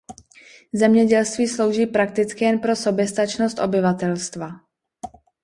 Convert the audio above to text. Zemědělství slouží prakticky jen pro soběstačnost obyvatelstva.